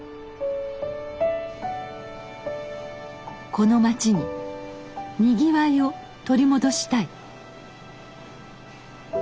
この町ににぎわいを取り戻したい。